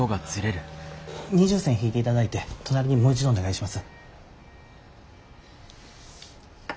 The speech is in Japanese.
二重線引いていただいて隣にもう一度お願いします。